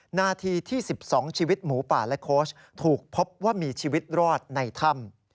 นาทีที่๑๒ชีวิตหมูป่าและโค้ชถูกพบว่ามีชีวิตรอดในถ้ำ